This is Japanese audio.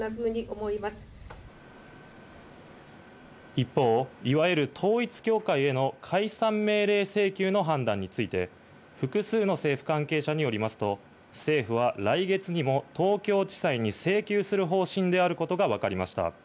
一方、いわゆる統一教会への解散命令請求の判断について、複数の政府関係者によりますと、政府は来月にも東京地裁に請求する方針であることがわかりました。